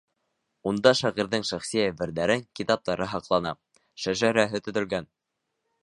Унда шағирҙың шәхси әйберҙәре, китаптары һаҡлана, шәжәрәһе төҙөлгән.